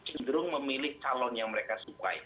cenderung memilih calon yang mereka sukai